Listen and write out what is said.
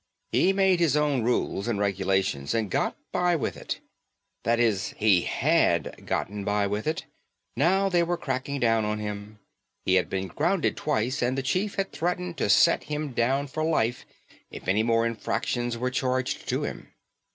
He made his own rules and regulations and got by with it. That is he had gotten by with it. Now they were cracking down on him. He had been grounded twice and the chief had threatened to set him down for life if any more infractions were charged to him.